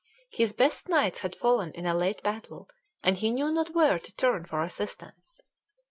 His best knights had fallen in a late battle, and he knew not where to turn for assistance.